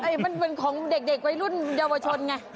มันเหมือนของเด็กไว้รุ่นเยาวชนไง